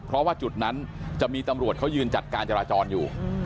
เพราะว่าจุดนั้นจะมีตำรวจเขายืนจัดการจราจรอยู่